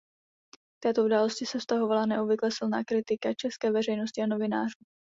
K této události se vztahovala neobvykle silná kritika české veřejnosti a novinářů.